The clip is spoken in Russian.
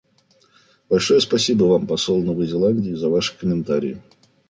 Большое спасибо вам, посол Новой Зеландии, за ваши комментарии.